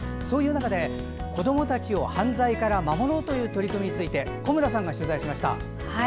そういう中で子どもたちを犯罪から守ろうという取り組みについて小村さんが取材しました。